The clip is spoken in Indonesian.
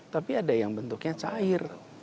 tapi ada yang bentuknya cair